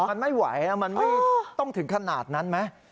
มันไม่ไหวนะมันไม่ต้องถึงขนาดนั้นไหม